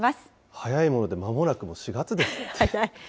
早いもので間もなくもう４月です。